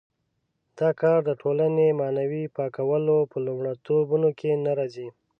دا کار د ټولنې معنوي پاکولو په لومړیتوبونو کې نه راځي.